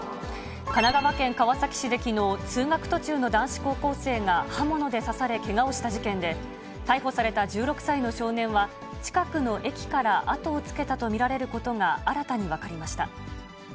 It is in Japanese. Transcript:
神奈川県川崎市できのう、通学途中の男子高校生が刃物で刺され、けがをした事件で、逮捕された１６歳の少年は、近くの駅から後をつけたと見られることが新たに分かりました。